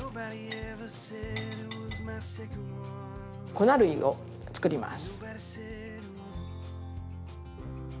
粉類を作ります。